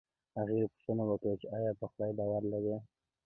هغې پوښتنه وکړه چې ایا په خدای باور لرې